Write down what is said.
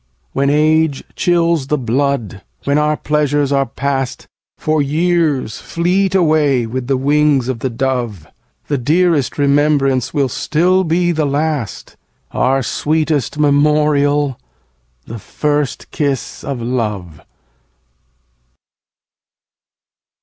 7. When age chills the blood, when our pleasures are past— For years fleet away with the wings of the dove— The dearest remembrance will still be the last, Our sweetest memorial, the first kiss of love.